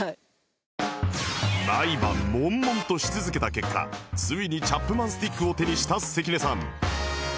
毎晩悶々とし続けた結果ついにチャップマン・スティックを手にした関根さん